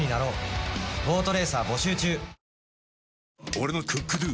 俺の「ＣｏｏｋＤｏ」！